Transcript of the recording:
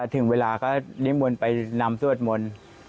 ถึงเวลาก็นิมนต์ไปนำสวดมนต์